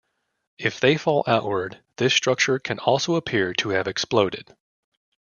If they fall outward, this structure can also appear to have exploded.